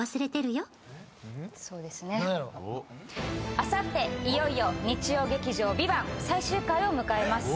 あさっていよいよ日曜劇場「ＶＩＶＡＮＴ」最終回を迎えます